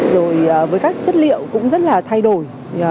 rồi với các chất liệu cũng rất là thay đổi